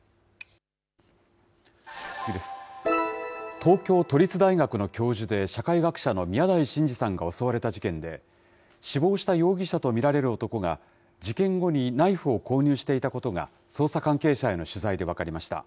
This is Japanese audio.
東京都立大学の教授で、社会学者の宮台真司さんが襲われた事件で、死亡した容疑者と見られる男が、事件後にナイフを購入していたことが捜査関係者への取材で分かりました。